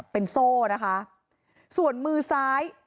เป็นโซ่นะคะส่วนมือซ้าย